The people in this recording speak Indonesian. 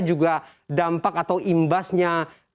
juga dampak atau imbasnya